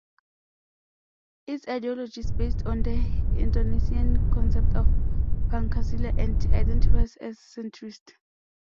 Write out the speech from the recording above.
Its ideology is based on the Indonesian concept of Pancasila, and identifies as centrist.